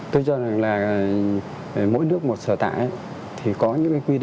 tôi cho rằng là mỗi nước một sở tạng ấy